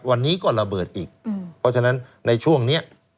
วันนี้ก็ระเบิดอีกเพราะฉะนั้นในช่วงนี้